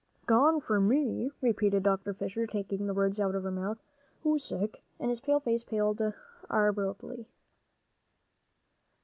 "Gone for me!" repeated Dr. Fisher, taking the words out of her mouth. "Who's sick?" and his face paled abruptly.